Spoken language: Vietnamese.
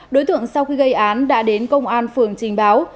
đối tượng sau khi gây án đã đến công an phường trình báo